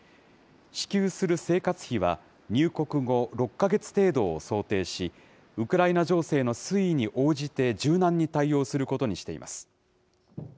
支給する生活費は、入国後６か月程度を想定し、ウクライナ情勢の推移に応じて、柔軟に対応することにしています。